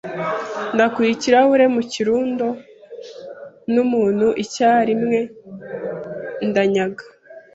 Nakuye ikirahuri mu kirundo, n'umuntu, icyarimwe ndanyaga